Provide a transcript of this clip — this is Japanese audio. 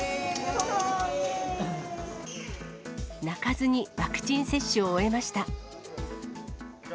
泣かずにワクチン接種を終えました。